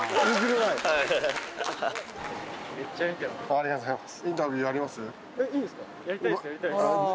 ありがとうございます。